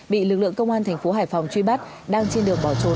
bị lực lượng công an thành phố hải phòng